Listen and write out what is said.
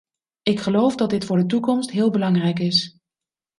Ik geloof dat dit voor de toekomst heel belangrijk is.